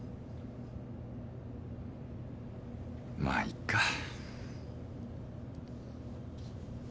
まあいっか。